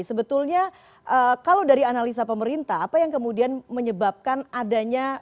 sebetulnya kalau dari analisa pemerintah apa yang kemudian menyebabkan adanya